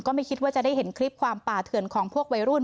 ไม่คิดว่าจะได้เห็นคลิปความป่าเถื่อนของพวกวัยรุ่น